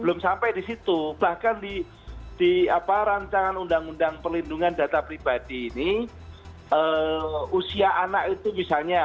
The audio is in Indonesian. belum sampai di situ bahkan di apa rancangan undang undang perlindungan data pribadi ini usia anak itu misalnya